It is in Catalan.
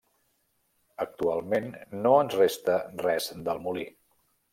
Actualment no ens resta res del molí.